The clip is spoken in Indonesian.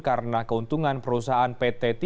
karena keuntungan perusahaan pt